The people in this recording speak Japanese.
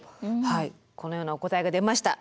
はいこのようなお答えが出ました。